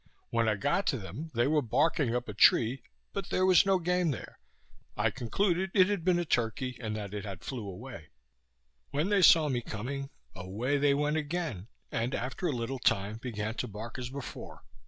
When I got to them, they were barking up a tree, but there was no game there. I concluded it had been a turkey, and that it had flew away. When they saw me coming, away they went again; and, after a little time, began to bark as before.